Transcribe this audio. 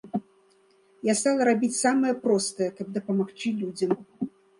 Я стала рабіць самае простае, каб дапамагчы людзям.